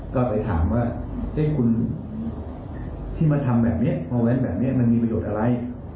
ก็ไปถามว่าคุณที่มาทำแบบนี้มาแว้นแบบนี้มันมีประโยชน์อะไร